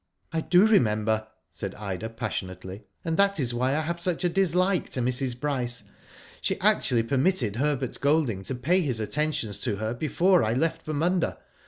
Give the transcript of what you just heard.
'*" I do remember," said Ida, passionately, " and that is why I have such a dislike to Mrs. Bryce. She actually permitted Herbert Golding to pay his attentions to her before I left for Munda.